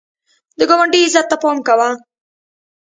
د ګاونډي عزت ته پام کوه